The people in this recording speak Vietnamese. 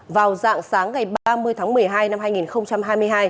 vào dạng sáng ngày ba mươi tháng một mươi hai năm hai nghìn hai mươi hai